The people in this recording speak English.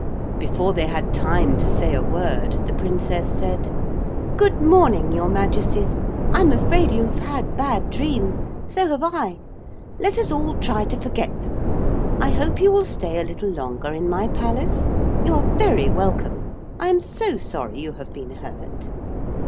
Before they had time to say a word the Princess said: 'Good morning, Your Majesties. I am afraid you have had bad dreams. So have I. Let us all try to forget them. I hope you will stay a little longer in my palace. You are very welcome. I am so sorry you have been hurt.'